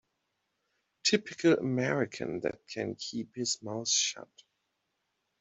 Typical American that can keep his mouth shut.